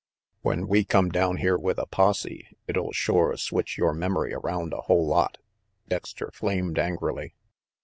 "When we come down here with a posse, it'll shore switch your memory around a whole lot," Dexter flamed angrily.